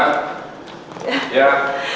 ya apa kabar